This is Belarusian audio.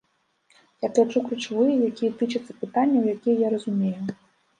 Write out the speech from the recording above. Я гляджу ключавыя, якія тычацца пытанняў, якія я разумею.